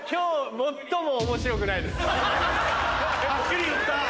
はっきり言った。